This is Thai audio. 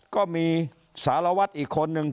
ก็มีสารวัตรอีกคนนึง